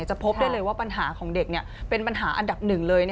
พบได้เลยว่าปัญหาของเด็กเป็นปัญหาอันดับหนึ่งเลย